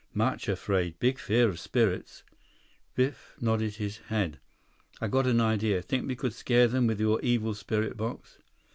"Much afraid. Big fear of spirits." 124 Biff nodded his head. "I've got an idea. Think we could scare them with your Evil Spirit Box?"